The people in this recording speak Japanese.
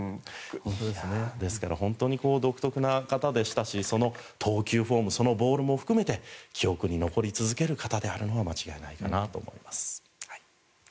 ですから本当に独特な方でしたしその投球フォームそのボールも含めて記憶に残り続ける方であるのは間違いないかなと思います。